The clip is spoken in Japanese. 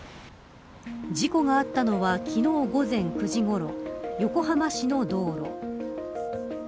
事故があったのは昨日午前９時ごろ横浜市の道路。